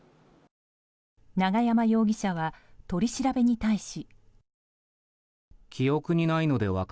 永山容疑者は取り調べに対し。